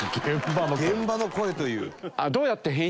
「現場の声」という。